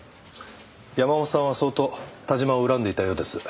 山本さんは相当田島を恨んでいたようです。